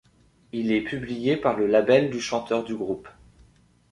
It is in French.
Il est publié par le label du chanteur du groupe.